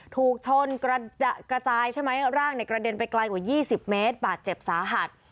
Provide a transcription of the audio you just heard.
ถูกชนกระจายใช่ไหมร่างในกระเด็นไปไกลกว่า๒๐เมตรบาดเจ็บสาหัส